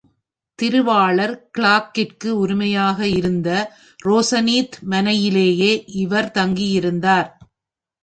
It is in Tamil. திருவாளர் கிளார்க்கிற்கு உரிமையாக இருந்த ரோசனீத், மனையிலேயே இவர் தங்கி யிருந்தார்.